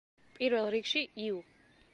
პირველ რიგში, იუ.